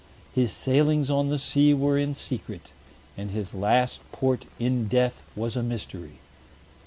His sailings on the sea were in secret, and his last port in death was a mystery.